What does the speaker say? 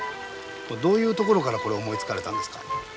どういうところからこれ思い付かれたんですか？